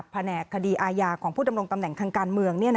แผนกคดีอาญาของผู้ดำรงตำแหน่งทางการเมือง